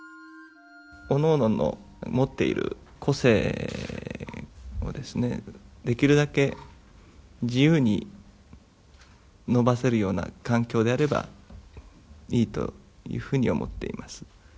おのおのの持っている個性をですね、できるだけ自由に伸ばせるような環境であればいいというふうに思っています。